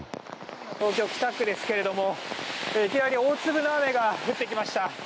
東京・北区ですがいきなり大粒の雨が降ってきました。